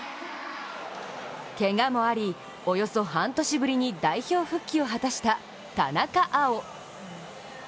けがもあり、およそ半年ぶりに代表復帰を果たした田中碧。